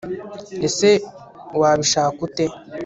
ese wabishaka ute